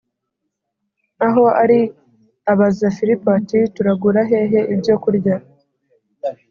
aho ari abaza Filipo ati Turagura hehe ibyokurya